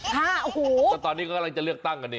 แต่ตอนนี้ก็กำลังจะเลือกตั้งกันนี่